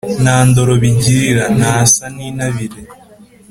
nta ndoro bigirira. ntasa n’intabire